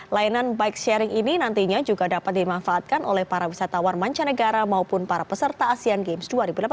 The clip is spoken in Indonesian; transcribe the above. layanan bike sharing ini nantinya juga dapat dimanfaatkan oleh para wisatawan mancanegara maupun para peserta asean games dua ribu delapan belas